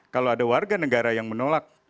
kalau ada warga negara yang menolak